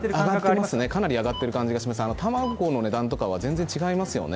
かなり上がってる感じがします、卵の値段とか全然違いますよね